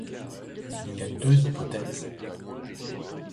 Il y a deux hypothèses.